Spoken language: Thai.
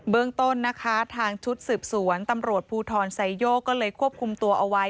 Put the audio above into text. เรื่องต้นนะคะทางชุดสืบสวนตำรวจภูทรไซโยกก็เลยควบคุมตัวเอาไว้